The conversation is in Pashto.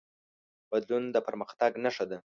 بدلون د پرمختګ نښه ده.